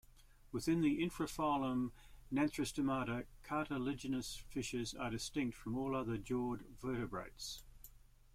Within the infraphylum Gnathostomata, cartilaginous fishes are distinct from all other jawed vertebrates.